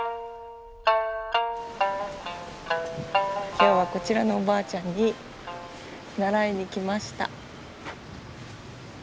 今日はこちらのおばあちゃんに習いに来ました。